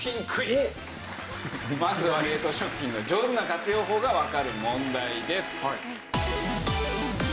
まずは冷凍食品の上手な活用法がわかる問題です。